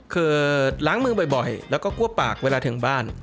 คือล้างมือบ่อยแล้วก็กลัวปากเวลาถึงบ้าน